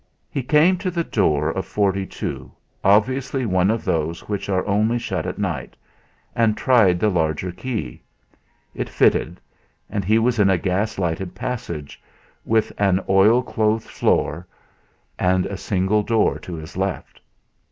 He came to the door of Forty two, obviously one of those which are only shut at night, and tried the larger key. It fitted, and he was in a gas lighted passage, with an oil clothed floor, and a single door to his left.